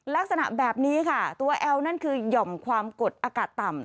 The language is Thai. ลักษณะแบบนี้ค่ะตัวแอลนั่นคือหย่อมความกดอากาศต่ำ